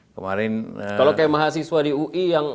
kalau seperti mahasiswa di ui